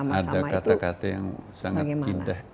ada kata kata yang sangat indah